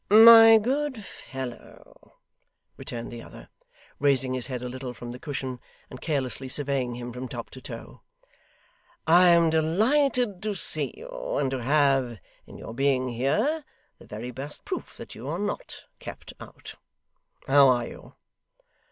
'My good fellow,' returned the other, raising his head a little from the cushion and carelessly surveying him from top to toe, 'I am delighted to see you, and to have, in your being here, the very best proof that you are not kept out. How are you?